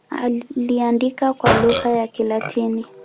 Aliandika kwa lugha ya Kilatini.